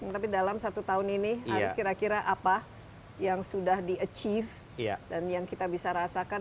tapi dalam satu tahun ini ari kira kira apa yang sudah di achieve dan yang kita bisa rasakan